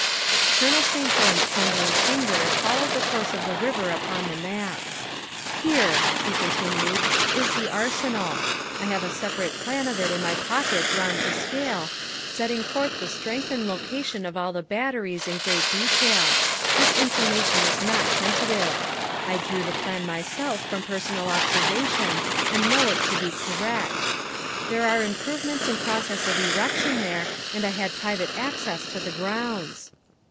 Colonel St. John 's trembling finger followed the course of the river upon the map. " Here," he continued, " is the Arsenal. I have a separate plan of it in my pocket drawn to scale, setting forth the strength and location of all the batteries in great detail. This information is not tentative; I drew the plan myself from personal observation and know it to be correct. There are improvements in pro cess of erection there, and I had private access to the grounds.